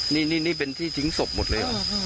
นี่เป็นที่ทิ้งศพหมดเลยเหรอ